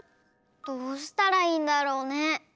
どうしたらいいんだろうね。